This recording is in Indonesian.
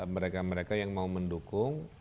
mereka mereka yang mau mendukung